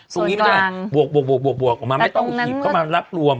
ส่วนกลางบวกออกมาไม่ต้องหยิบเขามารับรวม